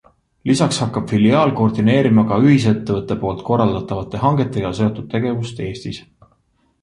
Lisaks hakkab filiaal koordineerima ka ühisettevõtte poolt korraldatavate hangetega seotud tegevust Eestis.